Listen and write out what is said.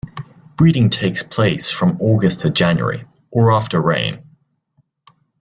Breeding takes place from August to January, or after rain.